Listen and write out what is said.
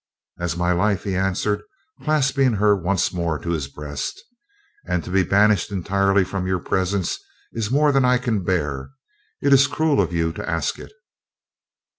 "As my life," he answered, clasping her once more to his breast. "And to be banished entirely from your presence is more than I can bear. It is cruel of you to ask it."